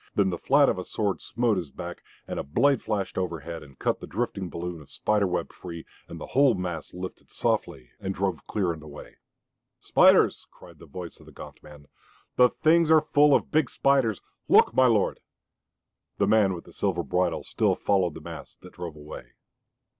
Then the flat of a sword smote his back, and a blade flashed overhead and cut the drifting balloon of spider web free, and the whole mass lifted softly and drove clear and away. "Spiders!" cried the voice of the gaunt man. "The things are full of big spiders! Look, my lord!" The man with the silver bridle still followed the mass that drove away.